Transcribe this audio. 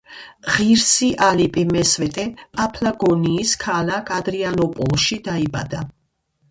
ღირსი ალიპი მესვეტე პაფლაგონიის ქალაქ ადრიანოპოლში დაიბადა.